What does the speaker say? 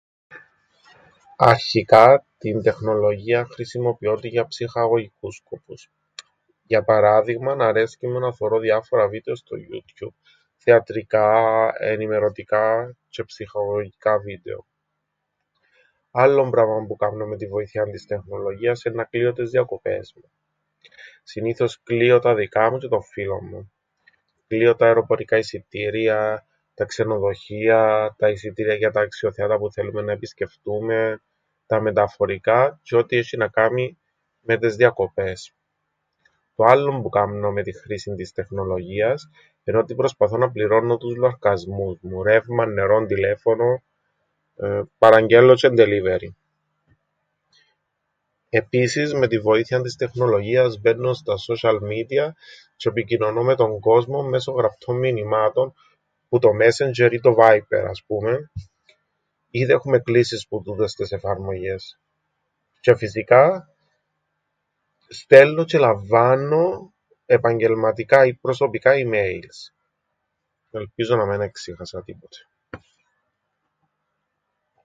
Αρχικά την τεχνολογίαν χρησιμοποιώ την για ψυχαγωγικούς σκοπούς. Για παράδειγμαν αρέσκει μου να θωρώ διάφορα βίτεο στο Youtube, θεατρικά, ενημερωτικά τζ̆αι ψυχαγωγικά βίντεο. Άλλον πράμαν που κάμνω με την βοήθειαν της τεχνολογίας εννά κλείω τες διακοπές μου. Συνήθως κλείω τα δικά μου τζ̆αι των φίλων μου. Κλείω τα αεροπορικά εισιτήρια, τα ξενοδοχεία, τα εισιτήρια για τα αξιοθέατα που θέλουμεν να επισκεφθούμεν, τα μεταφορικά τζ̆αι ό,τι έσ̆ει να κάμει με τες διακοπές. Το άλλον που κάμνω με την χρήσην της τεχνολογίας εν' ότι προσπαθώ να πληρώννω τους λοαρκασμούς μου, ρεύμαν, νερόν, τηλέφωνον. Εεε... Παραγγέλνω τζ̆αι delivery. Επίσης με την βοήθειαν της τεχνολογίας μπαίννω στα social media τζ̆' επικοινωνώ με τον κόσμον μέσον γραπτών μηνυμάτων που το messeger ή το viber, ας πούμεν, ή δέχουμαι κλήσεις που τούτες τες εφαρμογές, τζ̆αι φυσικά στέλνω τζ̆αι λαμβάννω επαγγελματικά ή προσωπικά ιμέιλς. Ελπίζω να μεν εξίχασα τίποτε.